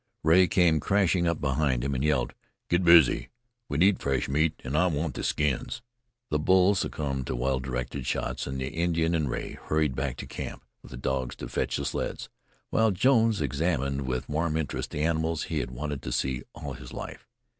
Rea came crashing up behind him and yelled, "Get busy. We need fresh meat, an' I want the skins." The bulls succumbed to well directed shots, and the Indian and Rea hurried back to camp with the dogs to fetch the sleds, while Jones examined with warm interest the animals he had wanted to see all his life.